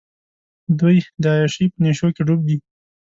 دوۍ د عیاشۍ په نېشوکې ډوب دي.